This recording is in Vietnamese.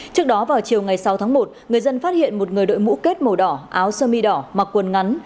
trước đó vào chiều ngày sáu tháng một người dân phát hiện một người đội mũ kết màu đỏ áo sơ mi đỏ mặc quần ngắn